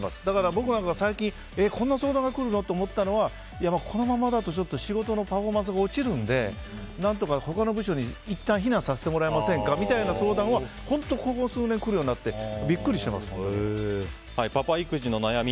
僕なんか最近こんな相談が来るの？と思ったのはこのままだと、仕事のパフォーマンスが落ちるんで何とか他の部署にいったん避難させてもらえませんかみたいな相談は本当ここ数年来るようになってパパ育児の悩み